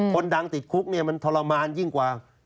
คนดังติดคุกเนี่ยมันทรมานยิ่งกว่า